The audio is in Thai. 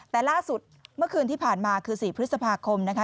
แต่ล่าสุดเมื่อคืนที่ผ่านมาคือ๔พฤษภาคมนะคะ